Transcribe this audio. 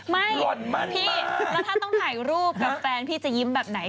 หล่อนมากพี่แล้วถ้าต้องถ่ายรูปกับแฟนพี่จะยิ้มแบบไหน